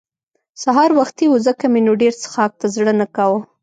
سهار وختي وو ځکه مې نو ډېر څښاک ته زړه نه کاوه.